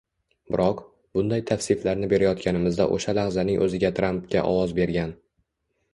Biroq, bunday tavsiflarni berayotganimizda o‘sha lahzaning o‘zida Trampga ovoz bergan